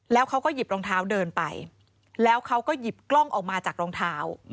แล้วเขาก็หยิบรองเท้าเดินไปแล้วเขาก็หยิบกล้องออกมาจากรองเท้า